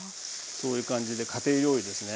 そういう感じで家庭料理ですね。